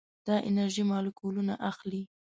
دا انرژي مالیکولونه اخلي.